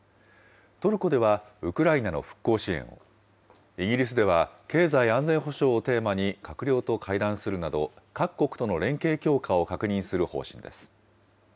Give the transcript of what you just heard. トルコではウクライナの復興支援を、イギリスでは経済安全保障をテーマに閣僚と会談するなど、各国との連携強化を確認する方針です。